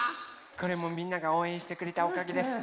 これもみんながおうえんしてくれたおかげです。